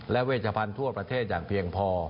และเวชพันธ์ทั่วประเทศอย่างเพียงพอ